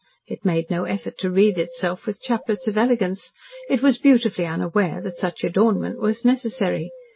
It made no effort to wreathe itself with chaplets of elegance; it was beautifully unaware that such adornment was necessary.